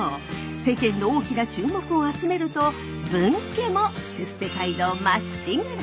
世間の大きな注目を集めると分家も出世街道まっしぐら！